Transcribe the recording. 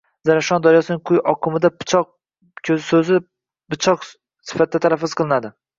Zarafshon daryosining quyi oqimida pichoq so‘zi bichoq sifatida talaffuz qilinadi.